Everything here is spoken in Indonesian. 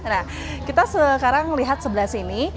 nah kita sekarang lihat sebelah sini